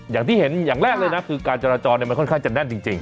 อย่างที่เห็นอย่างแรกเลยนะคือการจราจรมันค่อนข้างจะแน่นจริง